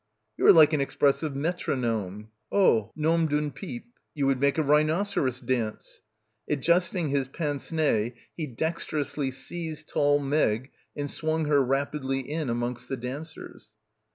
"You are like an expressive metronome." "Oh — nom d'un pipe." — 57 — PILGRIMAGE "You would make a rhinoceros dance." Adjusting his pince nez he dexterously seized tall Meg and swung her rapidly in amongst the dancers.